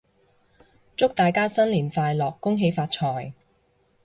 祝大家新年快樂！恭喜發財！